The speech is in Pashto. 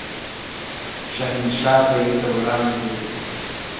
شهنشاه به يې د وړانګو